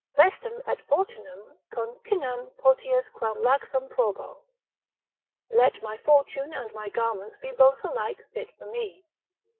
Vestem et fortunam concinnam potius quam laxam probo, let my fortune and my garments be both alike fit for me.